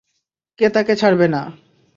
কে তাকে ছাড়বে না?